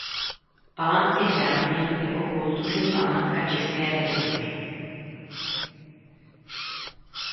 Palác je chráněn jako kulturní památka České republiky.